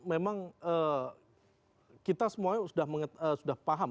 memang kita semuanya sudah paham